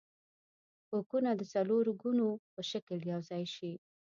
کوکونه د څلورګونو په شکل یوځای شي.